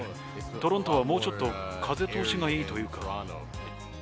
トロントはもうちょっと風通しがいいというか。